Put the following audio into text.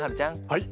はい。